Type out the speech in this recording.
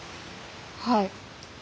はい。